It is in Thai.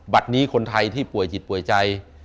บัตรนี้คนไทยที่ป่วยจิตป่วยใจ